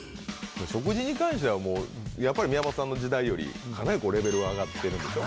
食事に関してはもうやっぱり、宮本さんの時代より、かなりレベルは上がってるんでしょ？